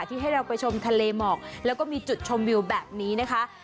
ให้เราไปชมทะเลหมอกแล้วก็มีจุดชมวิวแบบนี้นะคะ